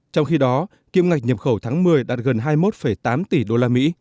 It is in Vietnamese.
trong khi đó kiếm ngạch nhập khẩu tháng một mươi đạt gần hai mươi một tám tỷ usd